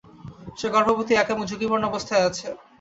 সে গর্ভবতী, একা এবং ঝুকিপূর্ণ অবস্থায় আছে।